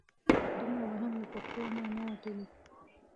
دومره به هم له پښتو نه نه وتلو.